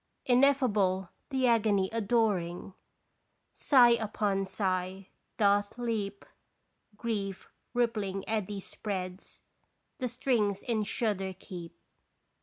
Ineffable the agony adoring, Sigh upon sigh doth leap, Grief rippling eddy spreads, The strings in shudder keep.